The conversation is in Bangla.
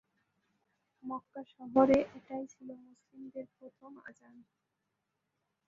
মক্কা শহরে এটাই ছিল মুসলিমদের প্রথম আযান।